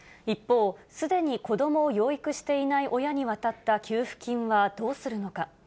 一方、すでに子どもを養育していない親に渡った給付金はどうするのか。